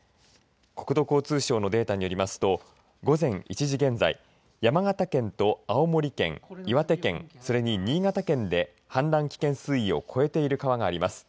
国土交通省のデータによりますと午前１時現在山形県と青森県、岩手県それに新潟県で氾濫危険水位を超えている川があります。